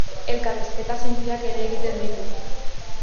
Elkarrizketa sinpleak ere egiten ditu.